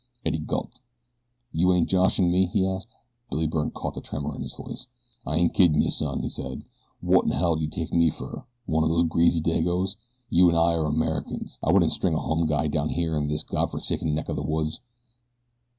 Eddie gulped. "You ain't joshin' me?" he asked. Billy Byrne caught the tremor in the voice. "I ain't kiddin' you son," he said. "Wotinell do you take me fer one o' these greasy Dagos? You an' I're Americans I wouldn't string a home guy down here in this here Godforsaken neck o' the woods."